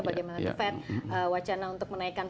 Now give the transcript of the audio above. bagaimana the fed wacana untuk menaikkan